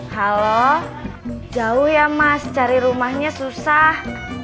halo jauh ya mas cari rumahnya susah